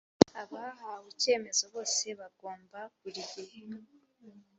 Abahawe icyemezo bose bagomba buri gihe